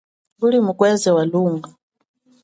Nguli mukweze wa lunga.